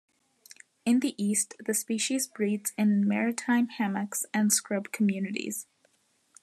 In the east, the species breeds in maritime hammocks and scrub communities.